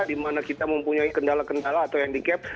di mana kita mempunyai kendala kendala atau handicap